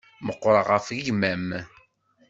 Meqqṛeɣ ɣef gma-m.